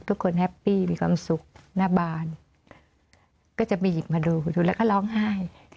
แฮปปี้มีความสุขหน้าบานก็จะไปหยิบมาดูดูแล้วก็ร้องไห้